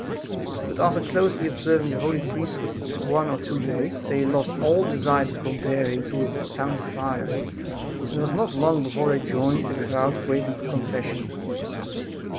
But, after closely observing the holy priest for one or two days, they lost all desire to compare him to a "town crier," and it was not long before they joined the crowds waiting for confession.